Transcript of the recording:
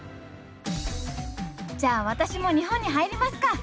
じゃあ私も日本に入りますか！